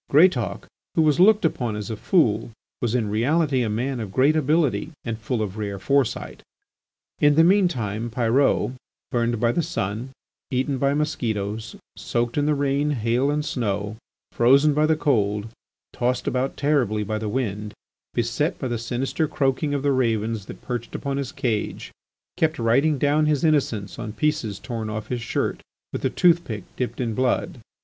Greatauk, who was looked upon as a fool, was in reality a man of great ability and full of rare foresight. In the mean time Pyrot, burnt by the sun, eaten by mosquitoes, soaked in the rain, hail and snow, frozen by the cold, tossed about terribly by the wind, beset by the sinister croaking of the ravens that perched upon his cage, kept writing down his innocence on pieces torn off his shirt with a tooth pick dipped in blood.